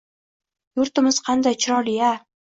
Yurtimiz qanday chiroyli-a